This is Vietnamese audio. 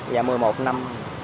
dạ một mươi một năm